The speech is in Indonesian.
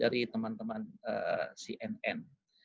dari teman teman cnn